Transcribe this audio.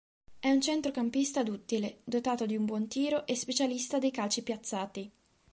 È un centrocampista duttile, dotato di un buon tiro e specialista dei calci piazzati.